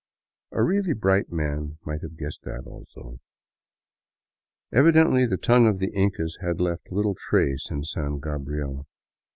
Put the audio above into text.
A really bright man might have guessed that, also. Evidently the tongue of the Incas had left little trace in San Gabriel.